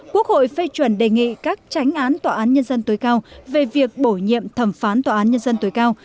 quốc hội phê chuẩn đề nghị các tránh án tòa án nhân dân tối cao về việc bổ nhiệm thẩm phán tòa án nhân dân tối cao